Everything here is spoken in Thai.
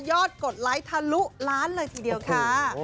กดไลค์ทะลุล้านเลยทีเดียวค่ะ